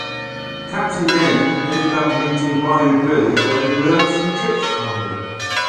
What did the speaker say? Captain N ended up meeting Bayou Billy where he learned some tricks from him.